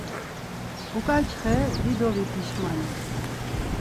Uǩaçxe dido vipişmani…